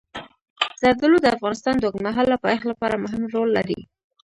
زردالو د افغانستان د اوږدمهاله پایښت لپاره مهم رول لري.